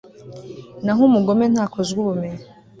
naho umugome ntakozwa ubumenyi